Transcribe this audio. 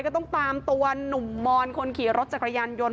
ก็ต้องตามตัวหนุ่มมอนคนขี่รถจักรยานยนต์